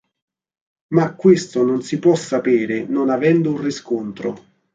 Ma questo non si può sapere non avendo un riscontro.